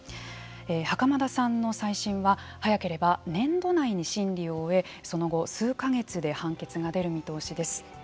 袴田さんの再審は早ければ年度内に審理を終えその後数か月で判決が出る見通しです。